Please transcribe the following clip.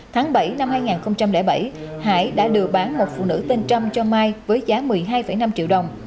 tháng bảy năm hai nghìn bảy hải đã đưa bán một phụ nữ tên trâm cho mai với giá một mươi hai năm triệu đồng